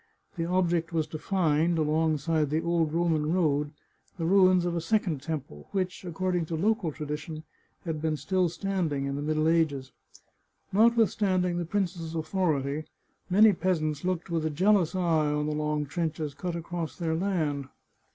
The object was to find, along side the old Roman road, the ruins of a second temple, 194 The Chartreuse of Parma which, according to local tradition, had been still standing in the middle ages. Notwithstanding the prince's authority, many peasants looked with a jealous eye on the long trenches cut across their land.